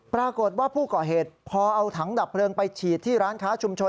ปรากฏว่าผู้ก่อเหตุพอเอาถังดับเพลิงไปฉีดที่ร้านค้าชุมชน